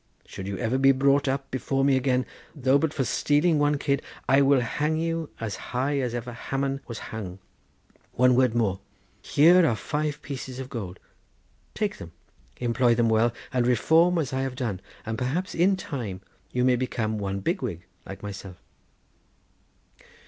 Should you ever be brought up before me again, though but for stealing one kid, I will hang you as high as ever Haman was hung. One word more: here are five pieces of gold. Take them: employ them well, and reform as I have done, and perhaps in time you may become one big wig, like myself.